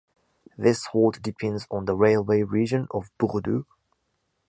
This halt depends on the railway region of Bordeaux.